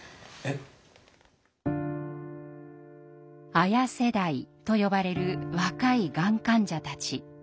「ＡＹＡ世代」と呼ばれる若いがん患者たち。